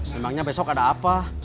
memangnya besok ada apa